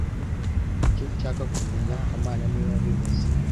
Nicyo nshaka kumenya kamana niwe wabivuze